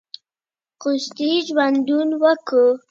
ډاکټر د ناروغانو هیله ده